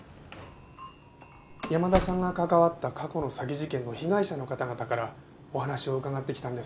山田さんが関わった過去の詐欺事件の被害者の方々からお話を伺ってきたんですが。